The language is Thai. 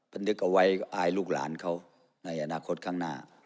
นึกเอาไว้อายลูกหลานเขาในอนาคตข้างหน้า